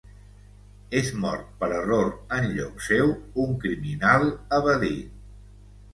És mort per error en lloc seu un criminal evadit.